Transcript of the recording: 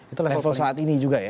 itu level saat ini juga ya